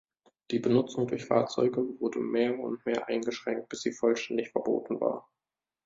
Die Benutzung durch Fahrzeuge wurde mehr und mehr eingeschränkt, bis sie vollständig verboten war.